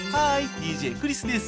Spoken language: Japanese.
ＤＪクリスです。